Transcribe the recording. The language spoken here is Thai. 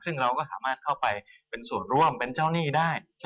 ซึ่งเราก็สามารถเข้าไปเป็นส่วนร่วมเป็นเจ้าหนี้ได้